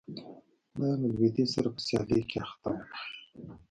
دا له لوېدیځ سره په سیالۍ کې اخته و